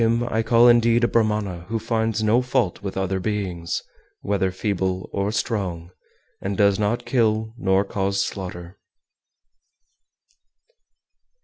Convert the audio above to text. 405. Him I call indeed a Brahmana who finds no fault with other beings, whether feeble or strong, and does not kill nor cause slaughter.